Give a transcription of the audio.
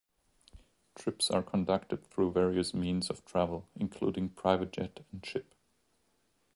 Trips are conducted through various means of travel, including private jet and ship.